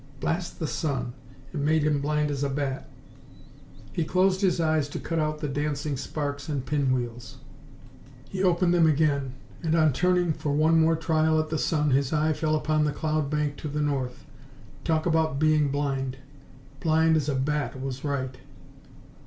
Blast the sun! It made him blind as a bat! He closed his eyes to cut out the dancing sparks and pin wheels. He opened them again, and on turning for one more trial at the sun his eye fell upon the cloud bank to the north. Talk about being blind! Blind as a bat was right!